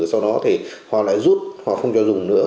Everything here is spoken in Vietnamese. sau đó thì họ lại rút hoặc không cho dùng nữa